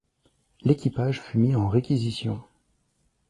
L’équipage fut mis en réquisition.